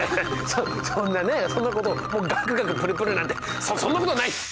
そそんなねそんなこともうガクガクプルプルなんてそそんなことないっす！